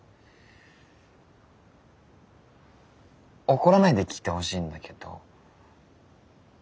怒らないで聞いてほしいんだけど。